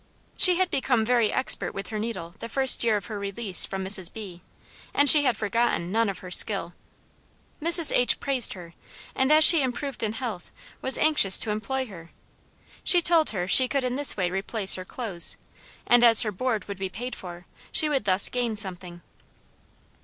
She had become very expert with her needle the first year of her release from Mrs. B., and she had forgotten none of her skill. Mrs. H. praised her, and as she improved in health, was anxious to employ her. She told her she could in this way replace her clothes, and as her board would be paid for, she would thus gain something.